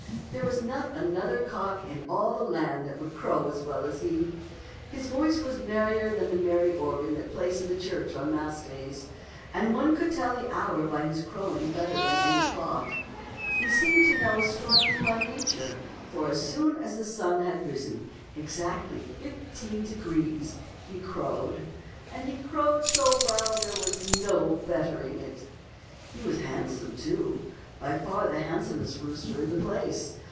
There was not another cock in all the land that could crow as well as he. His voice was merrier than the merry organ that plays in the church on mass days, and one could tell the hour by his crowing better than by any clock. He t^t (Xim'0 ^xmf0 tait 89 seemed to know astronomy by nature, for as soon as the sun had risen exactly fifteen degrees, he crowed, and crowed so well that there was no bettering it. He was handsome, too, — by far the handsomest roos ter in the place.